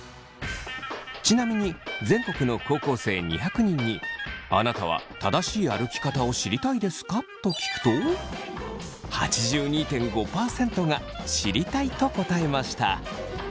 ちなみに全国の高校生２００人に「あなたは正しい歩き方を知りたいですか？」と聞くと８２．５％が「知りたい」と答えました。